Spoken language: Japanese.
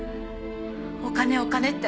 お金お金って